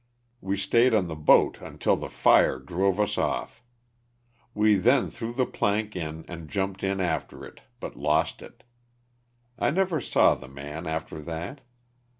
We stayed on the boat until the fire drove us off. We then threw the plank in and jumped in after it but lost it. I never saw the man after that.